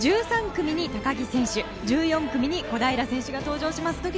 １３組に高木選手１４組に小平選手が登場します。